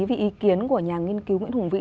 vì ý kiến của nhà nghiên cứu nguyễn hùng vĩ